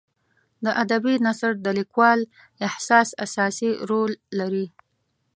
د ادبي نثر د لیکوال احساس اساسي رول لري.